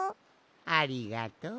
ありがとう。